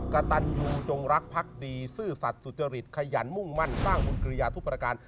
กระตันอยู่จงรักพักดีซื่อสัตว์สุจริตขยันมุ่งมั่นสร้างบุญกริยาทุกประการ